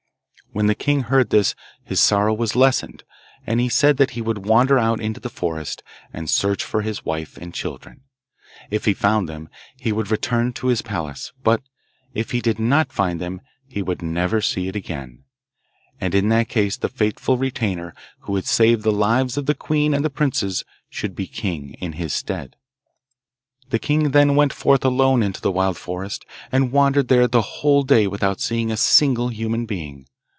When the king heard this his sorrow was lessened, and he said that he would wander out into the forest and search for his wife and children. If he found them he would return to his palace; but if he did not find them he would never see it again, and in that case the faithful retainer who had saved the lives of the queen and the princes should be king in his stead. The king then went forth alone into the wild forest, and wandered there the whole day without seeing a single human being.